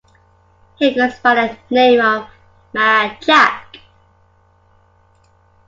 He goes by the name of Mad Jack.